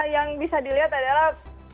yang bisa dilihat adalah